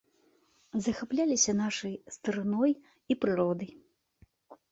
Захапляліся нашай старыной і прыродай.